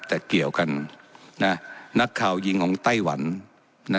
แต่เกี่ยวกันนะนักข่าวยิงของไต้หวันนะ